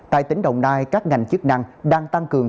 tại tỉnh đồng nai các ngành chức năng đang tăng cường